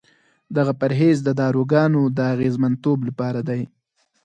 دغه پرهیز د داروګانو د اغېزمنتوب لپاره دی.